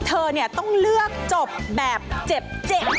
เธอต้องเลือกจบแบบเจ็บ